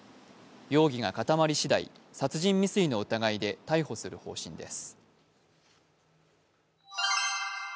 容疑が固まりしだい、殺人未遂の疑いで逮捕する方針です。